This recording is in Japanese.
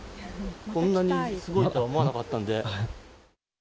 こんなにすごいとは思わなかったんで。